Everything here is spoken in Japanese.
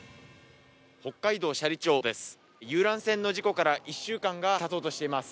北海道斜里町です、遊覧船の事故から１週間がたとうとしています。